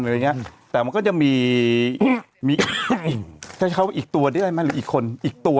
มันก็จะมีอีกตัวอะไรรึเปิ่งอีกคน